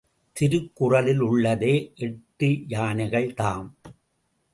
திருக்குறளில் உள்ளதே எட்டு யானைகள்தாம்.